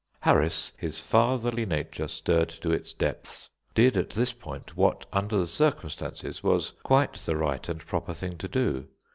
Harris, his fatherly nature stirred to its depths, did at this point what, under the circumstances, was quite the right and proper thing to do.